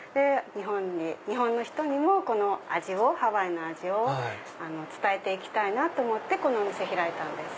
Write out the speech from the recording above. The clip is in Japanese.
日本の人にもこのハワイの味を伝えて行きたいと思ってこのお店を開いたんです。